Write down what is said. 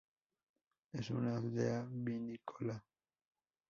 Es una aldea vinícola.